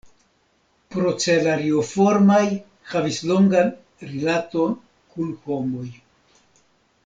Procelarioformaj havis longan rilato kun homoj.